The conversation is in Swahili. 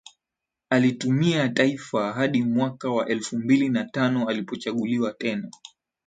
Alitumikia taifa hadi mwaka wa elfumbili na tano alipochaguliwa tena